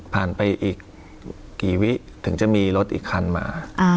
ไปอีกกี่วิถึงจะมีรถอีกคันมา